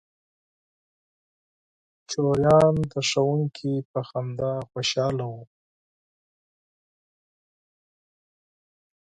ماشومان د ښوونکي په خندا خوشحاله وو.